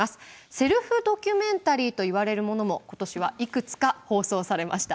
セルフドキュメンタリーといわれるものも今年はいくつか放送されました。